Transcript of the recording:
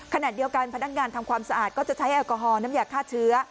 ขณะเดียวกันพนักงานทำความสะอาดก็จะใช้แอลกอฮอลน้ำยาฆ่าเชื้อ